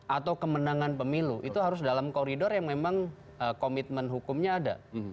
atau kemenangan pemilu itu harus dalam koridor yang memang komitmen hukumnya ada